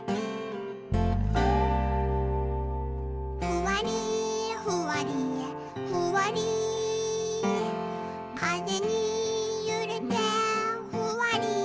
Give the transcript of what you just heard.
「ふわりふわりふわりかぜにゆれてふわり」